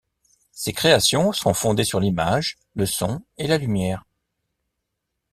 Ses créations sont fondées sur l’image, le son et la lumières.